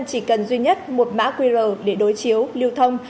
chỉ cần duy nhất một mã qr để đối chiếu lưu thông